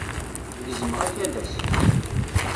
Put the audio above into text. Gezmeɣ akalas.